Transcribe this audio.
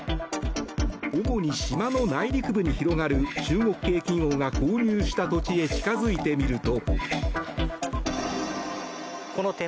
主に島の内陸部に広がる中国系企業が購入した土地へ近付いてみると。